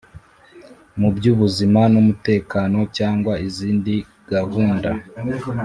mu by ubuzima n umutekano cyangwa izindi gahunda